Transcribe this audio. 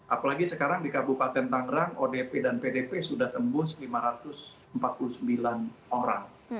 apalagi sekarang di kabupaten tangerang odp dan pdp sudah tembus lima ratus empat puluh sembilan orang